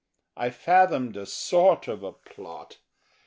I fathomed a sort of a plot.